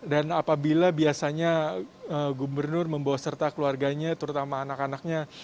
dan apabila biasanya gubernur membawa serta keluarganya terutama anak anaknya